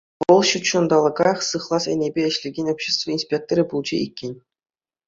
Вӑл ҫутҫанталӑка сыхлас енӗпе ӗҫлекен общество инспекторӗ пулчӗ иккен.